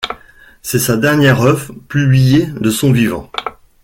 C'est sa dernière œuvre publiée de son vivant.